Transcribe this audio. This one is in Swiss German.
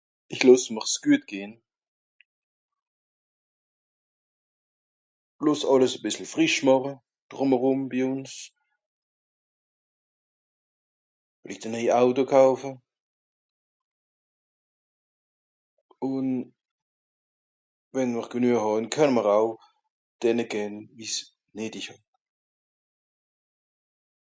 Ich loss m'r s guet gehn, loss àlles e bìssel frìsch màche drùm erùm, bi ùns, vellicht e nej Auto kauffe, ùn wenn mr genüe hàn, kenne mr au denne gän, wie's nöetig hàn